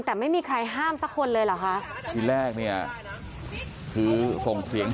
แต่ไม่มีใครห้ามสักคนเลยเหรอคะที่แรกเนี่ยคือส่งเสียง